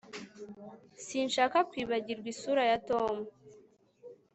Sinshaka kwibagirwa isura ya Tom